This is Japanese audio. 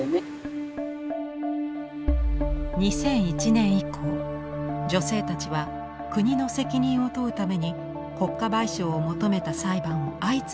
２００１年以降女性たちは国の責任を問うために国家賠償を求めた裁判を相次いで起こします。